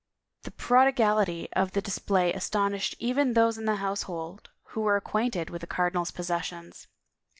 The prodigality of the dis play astonished even those of the household who were acquainted with the cardinal's possessions.